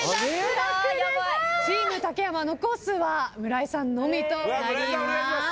チーム竹山残すは村井さんのみとなります。